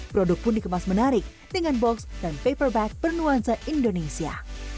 produk pun dikemas menarik dengan box dan paper bag bernuansa indonesia